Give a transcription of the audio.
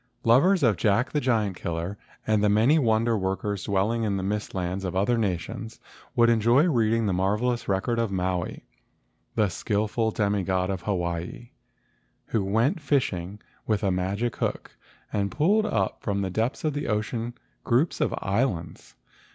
Lovers of "Jack the Giant Killer," and of the many wonder workers dwelling in the mist lands of other nations, would enjoy reading the marvelous record of Maui, the skilful demi god of Hawaii, who went fish¬ ing with a magic hook, and pulled up from the depths of the ocean groups of islands.